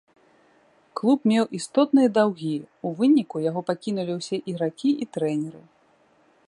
Клуб меў істотныя даўгі, у выніку яго пакінулі ўсе ігракі і трэнеры.